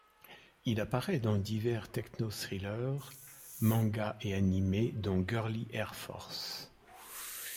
Il apparait dans divers techno-thrillers, manga et animés dont Girly Air Force.